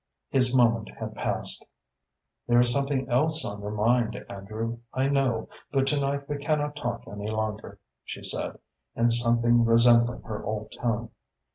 His moment had passed. "There is something else on your mind, Andrew, I know, but to night we cannot talk any longer," she said, in something resembling her old tone.